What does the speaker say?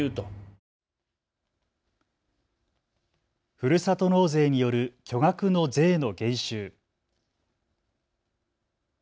ふるさと納税による巨額の税の減収。